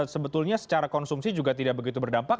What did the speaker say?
sebetulnya secara konsumsi juga tidak begitu berdampak